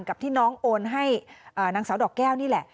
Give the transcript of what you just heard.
กับที่น้องโอนให้นางสาวดอกแก้วนี่แหละ